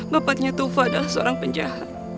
bapaknya tufa adalah seorang penjahat